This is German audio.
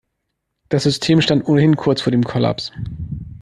Das System stand ohnehin kurz vor dem Kollaps.